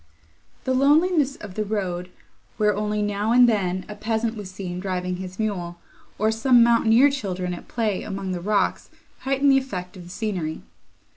The loneliness of the road, where, only now and then, a peasant was seen driving his mule, or some mountaineer children at play among the rocks, heightened the effect of the scenery.